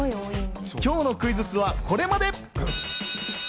今日のクイズッスはこれまで！